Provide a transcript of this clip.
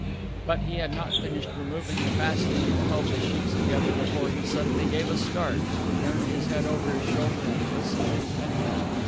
But he had not finished removing the fastening that held the sheets together before he suddenly gave a start, turned his head over his shoulder, and listened intently.